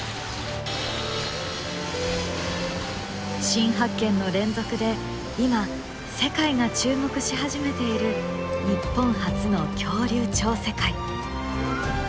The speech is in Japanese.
新発見の連続で今世界が注目し始めている日本発の恐竜超世界。